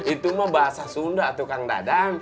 itu mah bahasa sunda tukang dadang